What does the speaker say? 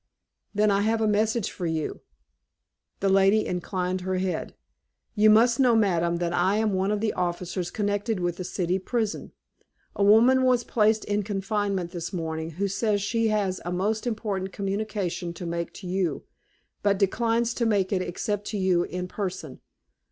"Then I have a message for you." The lady inclined her head. "You must know, madam, that I am one of the officers connected with the City Prison. A woman was placed in confinement this morning, who says she has a most important communication to make to you, but declines to make it except to you in person."